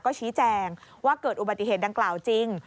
ก็ชี้แจงว่าเกิดอุบัติเหตุดังกล่าวจริง